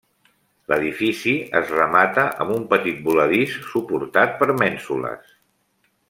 L'edifici es remata amb un petit voladís suportat per mènsules.